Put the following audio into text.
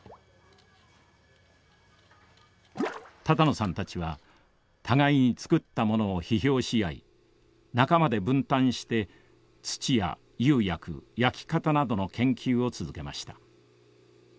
多々納さんたちは互いに作ったものを批評し合い仲間で分担して土や釉薬焼き方などの研究を続けました。